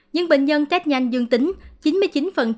nhưng bệnh nhân test nhanh dương tính